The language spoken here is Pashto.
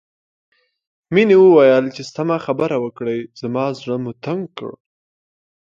مينې وويل چې سمه خبره وکړئ زما زړه مو تنګ کړ